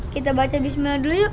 kita baca bismil dulu yuk